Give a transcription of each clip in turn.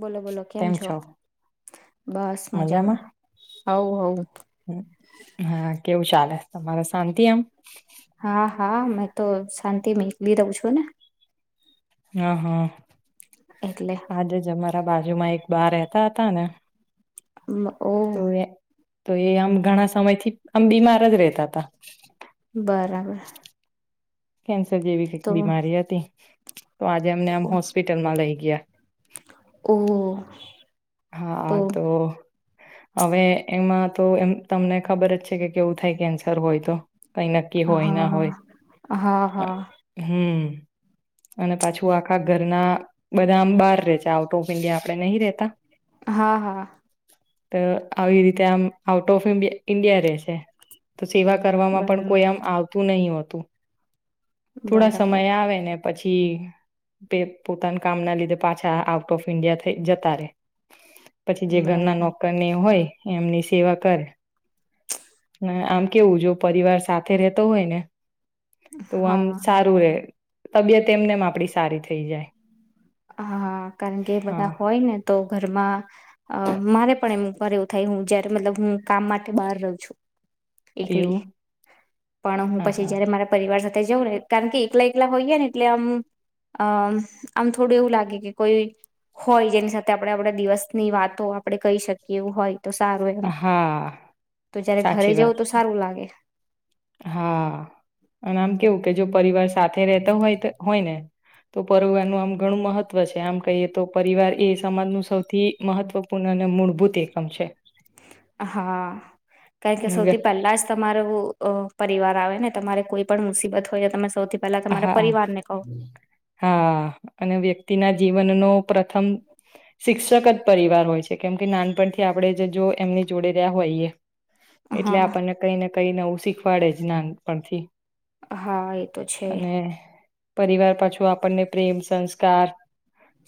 બોલો બોલો કેમ છો? બસ મજામાં. હવ હ હમ, હા કેવું ચાલે તમારે શાંતિ એમ હા હા મેં તો શાંતિમ એકલી રઉ છું ને હા હા એટલે આજે જ અમારુ માર બાજુ માં એક બા રહેતા હતા ને [inaudible] મ ઓ તો એ તો એ આમ ઘણા સમય થી આમ બીમાર જ રેતા તા બરાબર કેન્સ ર જેવી તો કઈ બીમારી હતી તો આજે એમને આમ હોસ્પિટલમાં લઈ ગયા ઓ હા તો અવે એમાં તો એમ તમને ખબર જ છે કે કેવું થાય કેન્સર હોય તો કઈ નક્કી હોય ના હા હોય હા અ હા હમ્મ અને પાછું આખા ઘરના બધા આમ બાર રે છે આઉટ ઓફ ઇન્ડિયા આપડે નહી રેતા હા હા તો આવી રીતે આમ આઉટ ઓફ ઇમબ ઈન્ડિયા રે છે તો સેવા કરવામાં પણ બરાબર કોઈ આમ આવતું નહીં હોતું થોડા બરાબર સમય આવે ને પછી પે પોતાના કામ ના લીધે પાછા આઉટ ઓફ ઈન્ડિયા થઈ જતા રે પછી જે ઘરના બરાબર નોકરને એ હોય એમની સેવા કરે હમ્મ આમ કેવું જો પરિવાર સાથે રેતો હોય ને તો આમ હા સારું રે તબિયત એમનેમ આપડી સારી થઈ જાય. હા કારણ કે એ બધા હા હોય ને તો ઘરમાં અમ મારે પણ એમ ઘરે એવું થાય હું જારે મતલબ હું કામ માટે બહાર રહું છું. એકલી એવું પણ હું હા પછી હા જયારે મારા પરિવાર સાથે સાથે જવ ને કારણ કે એકલા એકલા હોઈયે ને એટલે આમ અ આમ. થોડું એવું લાગે કે કોઈ હોય જેની સાથે આપડે આપડા દિવસની વાતો આપડે કહી શકીએ એવું હોય. તો સારું એમ હા તો જયારે ઘરે સાચી વાત જવું તો સારું લાગે હા અન આમ કેવું કે જો પરિવાર સાથે રેતો હોય તો હોય ને તો પરિવાર આમ ઘણું મહત્વ છે આમ કહીએ તો પરિવાર એ સમાજનું સૌથી મહત્વપૂર્ણ અને મૂળભૂત એકમ છે. હા કારણ કે અને વ્ય સૌથી પહેલા જ તમારું અ પરિવાર આવે ને તમારે કોઈ પણ મુસીબત હોય એ તમે સૌથી પહેલા તમારા હા પરિવારને કહો હા અને વ્યક તેના જીવનનો પ્રથમ શિક્ષક જ પરિવાર હોય છે કેમ કે નાનપણથી આપડે જ જો એમની જોડે રહ્યા હોઈએ. એટલે હા આપણને કઈને કઈને એવું શીખવાડે જ નાનપણથી. હાઈ એતો છે. અને પરિવાર પાછું આપણને પ્રેમ સંસ્કાર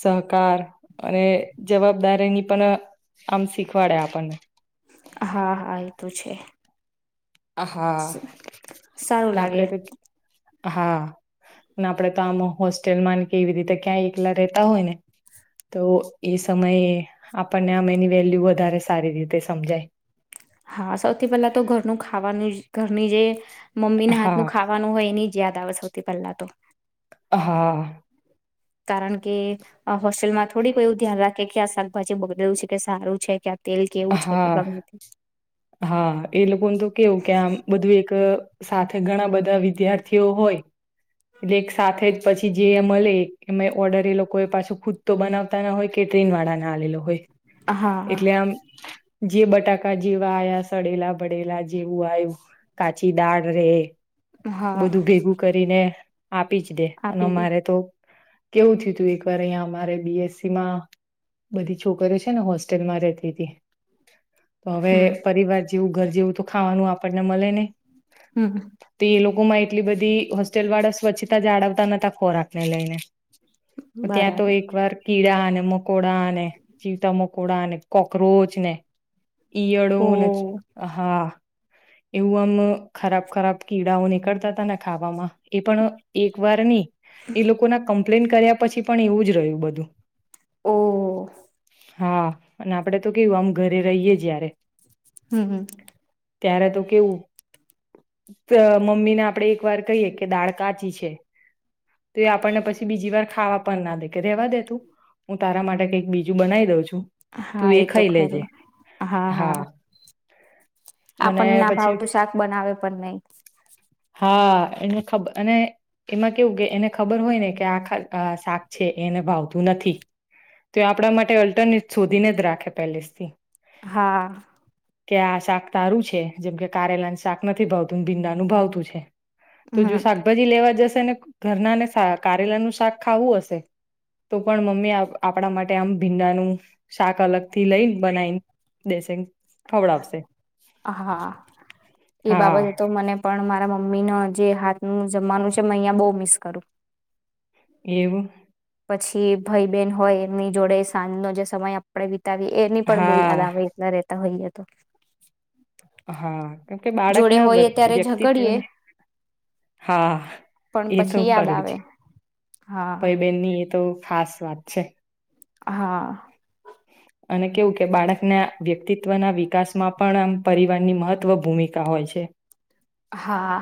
સહકાર અને જવાબદારીની તન આમ શીખવાડે આપણ હા હા એ તો છે. આહા સારું ને લાગે આપડે તો હા ને આપડે તો આમ હોસ્ટેલમાં ને કેવી રીતે ક્યાં એકલા રહેેતા હોય ને તો એ સમયે આપણને આમ એની વેલ્યુ વધારે સારી રીતે સમજાય. હા સૌથી પહેલા તો ઘરનું ખાવાનુજ. ઘરની જે મમ્મીને હા હાથનું ખાવાનું હોય એની યાદ આવે સવથી પહેલા તોહ. હા. કારણ કે અ હોસ્ટેલમાં થોડી બધું ધ્યાન રાખે કે આ શાકભાજી બગડું છે કે સારું છે ક્યા હા હા એ લોકોનું તો કેવું કે આમ બધું એક સાથે ઘણા બધા વિદ્યાર્થીઓ હોય એટલે એક સાથે જ પછી જે મલે ને ઓર્ડર એ લોકોએ પાછું ખુદ તો બનાવતા ના હોય કેકે વાળા ના આવેલ હોય હા. એટલે આમ જે બટાકા જેવા આયા સડેલા ભડેલા જેવું આયુ કાચી દાળ રે. હા બધું ભેગું કરીને આપી જ દે અને આપી દે મારે તો કેવું થયું તું એક વાર અહીંયા અમારે બી એસ સી માં બધી છોકરી છે ને હોસ્ટેલમાં રહેતી હતી. તો હવે હમ પરિવાર જેવું ઘર જેવું તો ખાવાનું આપણને મલે ની હમ. ગુમાય એટલી બધી હોસ્ટેલ વાળા સ્વચ્છતા જાળવતા નતા ખોરાક ને લઈને. ત્યાં તો બરાબર એક વાર કીડા અને કોડા અને ચીવતા મો કોડા અને કોકરોચ ને ઓ ઈયળો ને જ હા એવું આમ ખરાબ ખરાબ કીડાઓ નીકળતા તા ને ખાવામાં એ પણ એક વાર નહી એ લોકો ના કમ્પ્લેન કર્યા પછી પણ એવું જ રહ્યું બધું ઓહ હા અને આપડે તો કેવુ આમ ઘરે રહીએે જયારે હમ હમ ત્યારે તો કેવું મમ્મીને આપડે એક વાર કહીયે કે દાળ કાચી છે તો એ આપણને પછી બીજી વાર ખાવા પણ ના દે કે રેવા દે તું હું તારા માટે કઈક બીજું બનાઈ દઉં છું તું હા એક એ તો ખરું હા હા [unintelligible] મને આપણ ન ના પછી ભાવતું શાક બનાવે પણ નહી હા એને ખબર અને એમાં કેવું કે એને ખબર હોય ને કે આ ખા શાક છે એ એને ભાવતું નથી તો એ આપડા માટે અલ્ટરનેટ શોધીને જ રાખે પેલેસ થી હા કે આ શાક તારું છે જેમ કે કારેલાન શાક નથી ભાવતુંન ભીંડાનું ભાવતું છે તો જો હમ શાકભાજી લેવા જશે જશે ને ઘરના ને કારેલાનું શાક ખાવું હશે તો પણ મમ્મી આપ આપડા માટે આમ ભીંડાનું શાક અલગ થી લઈ બનાઇન દેશે ખવડાવશે હા એ હા બાબતે તો મને પણ મારા મમ્મી નો જે હાથનું જમવાનું છે મે અહિયાં બહ મિસ કરું એવું પછી ભઈબેન હોય એમની જોડે સાંજનો જે સમય આપડે વિ વિતાવીએ એની પણ બહુ હા યાદ આવે એકલા રહેતા હોઈએ તો હા. કેમકે જોડે બાળકના હોઈએ વ્યક્ત ત્યારે ઝઘડીએ વ્યક્તિત્વના હા પણ એ તો પછી યાદ ખરુંજ. આવે હા ભઈ બેનની એ તો ખાસ વાત છે. હા. અને કેવું કે બાળકના વ્યક્તિત્વના વિકાસમાં પણ આમ પરિવારની મહત્વ ભૂમિકા હોય છે. હા.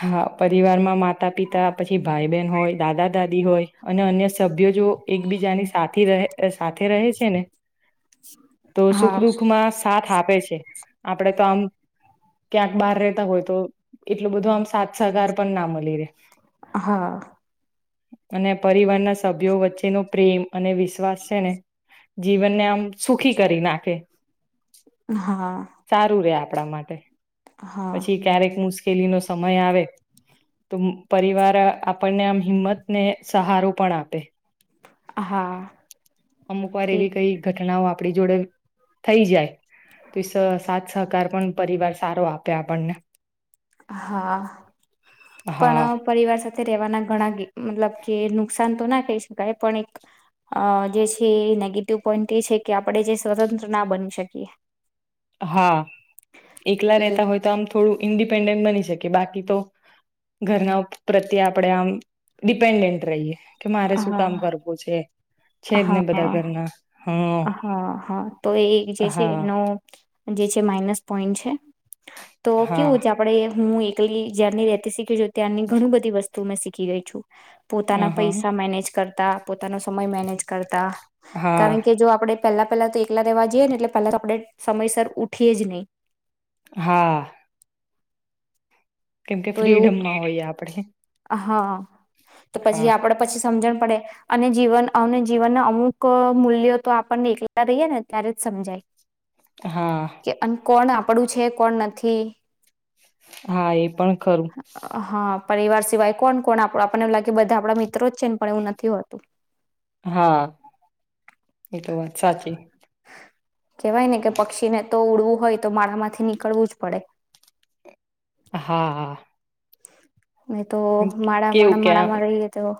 હા પરિવારમાં માતા પિતા, પછી ભાઈ બહેન હોય, દાદા દાદી હોય અને અન્ય સભ્યો જો એકબીજાની સાથી રહે સાથે રહે છે ને, તો સુખ હા દુઃખ માં સાથ આપે છે. આપડે તો આમ ક્યાંક બહાર રેતા હોય. તો એટલું બધું આમ સાથ સહકાર પણ ના મલી રે હા અને પરિવારના સભ્યો વચ્ચેનો પ્રેમ અને વિશ્વાસ છે ને, જીવનને આમ સુખી કરી નાખે હા. સારું રે આપણા માટે. હા પછી ક્યારેક મુશ કેલી નો સમય આવે. તો મ પરિવાર આપણને આમ હિંમત ને સહારો પણ આપે. હા. અમુક વાર એ એવી કઈ ઘટનાઓ આપણી જોડે થઈ જાય ત સ સાથ સહકાર પણ પરિવાર સારો આપે આપણને. હા હા પણ પરિવાર સાથે રેવાના ઘણા ગી મતલબ કે નુકસાન તો ના કહી શકાય પણ, એક અ જે છે નેગેટિવ પોઈન્ટ એ છે. કે આપણે જે સ્વતંત્ર ના બની શકીએ. હા, એકલા કે રહેતા હોય તો આમ થોડું ઇન્ડી પેન્ડડ બની શકે. બાકી તો ઘરના પ્રત્યે આપણેે આમ ડિપેન્ડન્ટ રહીએ. કે મારે શું હા કામ કરવું છે છે જ હા ને બધા ઘરના હા હા હા તો એ જે છે હા એનો જે છે માઇનસ પોઈન્ટ [inaudible] તો હા કેવું છે આપડે હું એકલી જ્યારની રેતી શીખી છું, ત્યારની ઘણી બધીસ્તુ મેં શીખી ગઈ છું. અ પોતાના હા પૈસા મેનેજ કર તા પોતાનો સમય મેનેજ કરતા. હા કારણ કે જો આપડે પેલા પેલા તો એકલા રહેેવા જઈએને, એટલે પહેલા તો આપણે સમયસર ઉઠીએ જ નહીં. હા. કેમ કે તો એવું ફ્રીડમમાં હોઈએ આપડે. હા. તો પછી આપડે પછી સમજણ પડે, અને જીવન અને જીવનના અમુક મૂલ્યો તો આપણને એકલા રહીએે ને ત્યારે જ સમજાય. હા કે અને કોણ આપ પડું છે કોણ નથી. હા એ પણ ખરું. હા પરિવાર સિવાય કોણ કોણ આપ આપણને લાગેધા આપિત હા એતો વાત સાચી. કેવાય ને કે પક્ષીને તો ઉડવું હોય તો મારામાંથી નીકળવું જ પડે. હા હા. મે તો માડા કેવું માડા કે આમ માડામાં રહીએ તો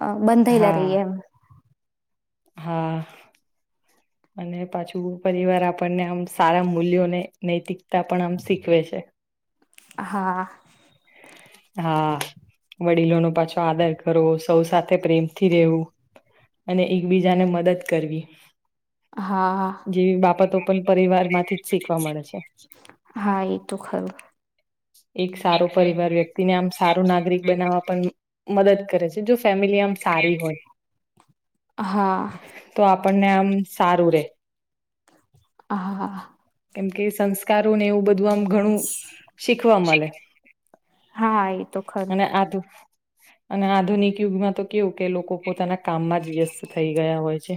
હ બંધઈલા ર હા એમ. હા, અને પાછું પરિવાર આપણને આમ સારા મૂલ્યોને નૈતિક ત્યાં પણ આમ શીખવે છે. હા. હા, વડીલો નો પાછો આદર કરો સૌ સાથે પ્રેમથી રહેેવું, અને એકબીજાને મદદ કરવી. હા જેવી બાબતો પણ પરિવાર માંથી જ શીખવા મળે છે, હા એ તો ખરું એક સારો પરિવાર વ્યક્તિ ને આમ સારું નાગરિક બનાવવા પણ મદદ કરે છે જો મિમ સારી હોય, હા તો આપ આપણને આમ સારું રે. હા હા. એમ કે સંસ્કારો ને એવું બધું આમ ઘણું શીખવા મળે. હા એ તો ખરું. અને આ તો અને આધુનિક યુગમાં તો કેવું કે લોકો પોતાના કામમાં જ વ્યસ્ત થઈ ગયા હોય છે.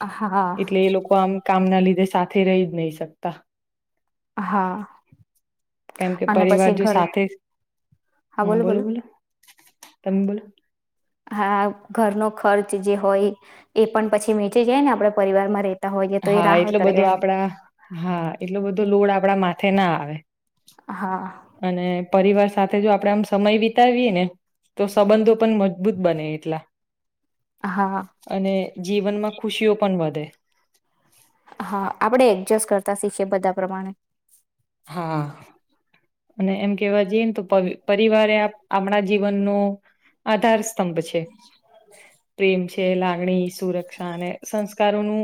હા. એટલે એ લોકો આમ કામના લીધે સાથે રહી જ નહી શકતા. હા કેમ કે અને પરિવાર પછી જો ઘર સાથે હા બોલો બોલો, તમે બોલો હા. ઘરનો ખર્ચ જે હોય, એ પણ પછી વેચી જાય ને આપણે પરિવારમાં ર હા એટલું બધું આપડા, હા એટલો બધું લોડ આપ આપણા માથે ના આવે હા અને પરિવાર સાથે જો આપડે આમ સમય વિતાવીએ ને તો સંબંધો પણ મજબૂત બને એટલા હા અને જીવનમાં ખુશીઓ પણ વધે હા આપણેે એડજસ્ટ કરતા શીખીએ બધા પ્રમાણે હા અને એમ કેવા જઈને તો પ પરિવારે આપણા જીવનનો આધાર સ્તંભ છે પ્રેમ છે લાગણી સુરક્ષા અને સંસ્કારોનું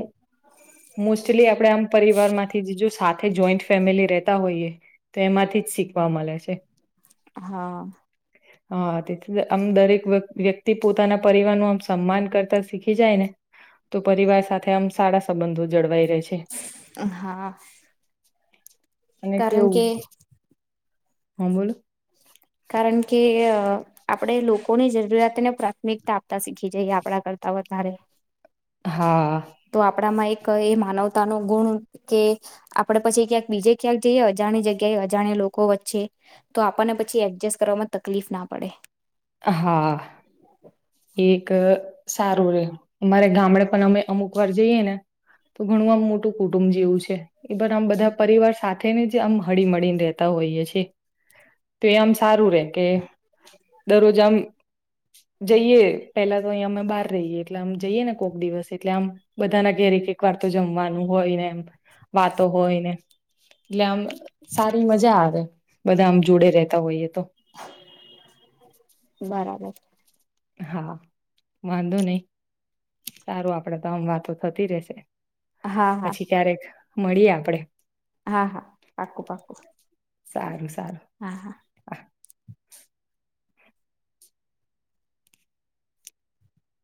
મોસ્ટલી આપેણે આમ પરિવાર માંથીજ સાથે જોઈન્ટ ફેમિલી રે તા હોઈએ તો એમાંથી જ શીખવા મળે છે હા હા તેથી આમ દરેક વ્યક્તિ પોતાના પરિવાર નુ આમ સન્માન કરતા શીખી જાય ને તો પરિવાર સાથે આમ સારા સંબંધો જળવાઈ રહે છે. હા અને કારણ કે કેવું હમ્મ બોલ કારણ કે આપણેે લોકોની જરૂરિયાતને પ્રાથમિકતા આપતા શીખી જઈએ આપણા કરતા વધારે હા તો આપડામાં એક એ માનવતા નો ગુણ કે આપડે પછી ક્યાંક બીજે ક્યાંક જઈએ અજાણ જગ્યાએ અજાણ્યા લોકો વચ્ચે તો આપણને પછી એ એડજસ્ટ કરવામાં તકલીફ ના પડે હા એક એક સારું રે અમારે ગામડે પણ અમે અમુક વાર જઈએ ને તો ઘણું આમ મોટું કુટુંબ જેવું છે એ પણ આમ બધા પરિવાર સાથે ને જ આમ હળી મળીને રતા હોઈએ છીએ તો એ આમ સારું રે કે દરરોજ આમ જઈએ પહેલા તો અયા બહાર રહીએ એટલે આમ જઈએ ને કોઈક દિવસ એટલે આમ બધા ના ઘેર એક વાર તો જમવાનું હોયને એમ વાતો હોય ને એટલે આમ સારી મજા આવે બધા આમ જોડે રેતા હોઈએ તો બરાબર હા વાંધો નહી સારું આપડે તો આમ વાતો થતી રશે હા હા પછી ક્યારેક મળીએ આપડે હા હા પાકું પાકું સારું સારું હા હા હા